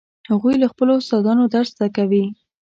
هغوی له خپلو استادانو درس زده کوي